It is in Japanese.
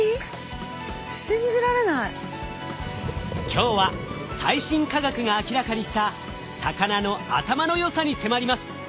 今日は最新科学が明らかにした魚の頭の良さに迫ります。